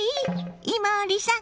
伊守さん